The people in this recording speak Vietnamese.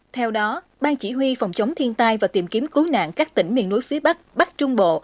theo đó ban chỉ huy phòng chống thiên tai và tìm kiếm cứu nạn các tỉnh miền núi phía bắc bắc trung bộ